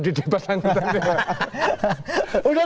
di debat anggota dewan